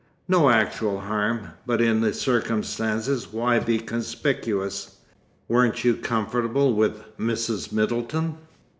"No actual harm. But in the circumstances, why be conspicuous? Weren't you comfortable with Mrs. Middleton?